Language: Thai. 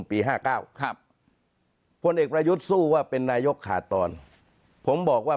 ปี๕๙ครับพลเอกประยุทธ์สู้ว่าเป็นนายกขาดตอนผมบอกว่า